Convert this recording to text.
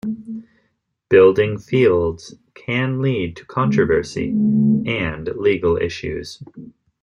Building fields can lead to controversy and legal issues.